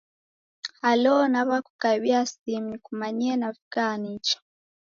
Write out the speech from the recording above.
Halo!, naw'akukabia simu nikumanyishe navika nicha.